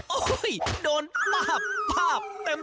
โอ๊ยโดนพาปพาปเต็ม